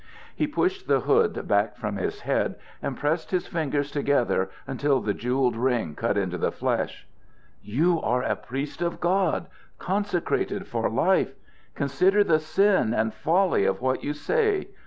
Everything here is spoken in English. He pushed the hood back from his head and pressed his fingers together until the jewelled ring cut into the flesh. "You are a priest of God, consecrated for life. Consider the sin and folly of what you say.